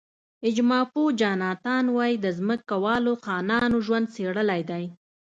اجتماع پوه جاناتان وی د ځمکوالو خانانو ژوند څېړلی دی.